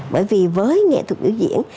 bởi vì với nghệ thuật biểu diễn